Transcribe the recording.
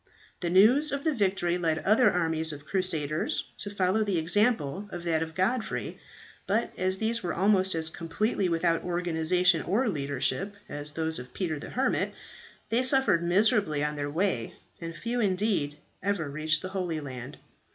The news of the victory led other armies of crusaders to follow the example of that of Godfrey; but as these were almost as completely without organization or leadership as those of Peter the Hermit, they suffered miserably on their way, and few indeed ever reached the Holy Land.